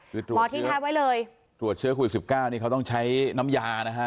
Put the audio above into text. หมอทิ้งแทบไว้เลยตรวจเชื้อคู่๑๙นี่เขาต้องใช้น้ำยานะคะ